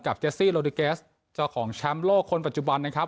เจซี่โลดิเกสเจ้าของแชมป์โลกคนปัจจุบันนะครับ